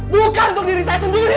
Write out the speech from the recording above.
bukan untuk diri saya sendiri